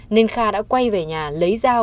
nên kha đã quay về nhà lấy dao